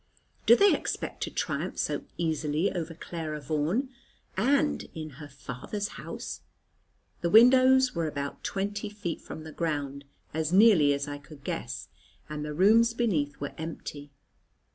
Do they expect to triumph so easily over Clara Vaughan? And in her father's house? The windows were about twenty feet from the ground, as nearly as I could guess, and the rooms beneath were empty.